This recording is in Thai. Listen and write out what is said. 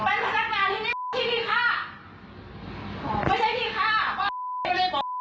เอาสิเอาอีกสิ